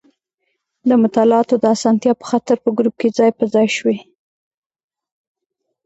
د مطالعاتو د اسانتیا په خاطر په ګروپ کې ځای په ځای شوي.